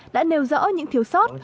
đã nêu rõ những thiếu sót